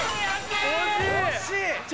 今惜しい！